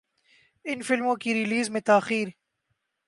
ان فلموں کی ریلیز میں تاخیر